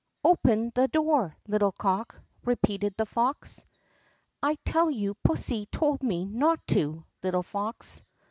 "Open the door, little cock!" repeated the fox. "I tell you pussy told me not to, little fox!"